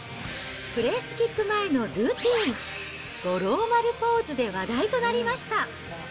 プレースキック前のルーティーン、五郎丸ポーズで話題となりました。